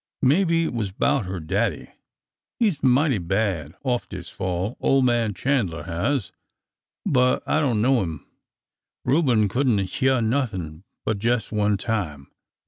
Maybe it was 'bout her daddy. He 's been mighty bad off dis fall, ole man Chan'ler has. But I don't know'm. Reuben could n' hyeah nothin' but jes' one time.